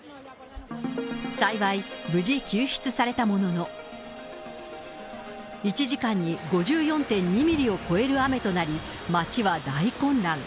幸い、無事救出されたものの、１時間に５４．２ミリを超える雨となり、町は大混乱。